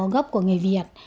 có gốc của người việt